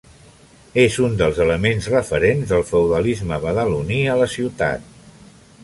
És un dels elements referents del feudalisme badaloní a la ciutat.